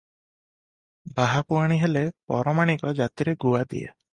ବାହା, ପୁଆଣି ହେଲେ ପରମାଣିକ ଜାତିରେ ଗୁଆ ଦିଏ ।